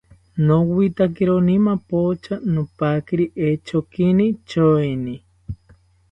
Nowitakironi mapocha, nopaquiri echonkini tyoeni